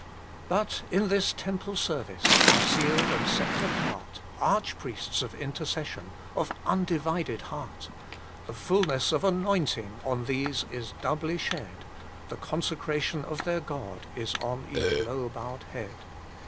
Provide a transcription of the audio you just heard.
But in this temple service Are sealed and set apart Arch priests of intercession, Of undivided heart. The fulness of anointing On these is doubly shed, The consecration of their God Is on each low bowed head.